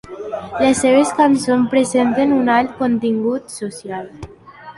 Les seves cançons presenten un alt contingut social.